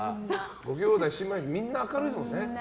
ごきょうだい、姉妹みんな明るいですもんね。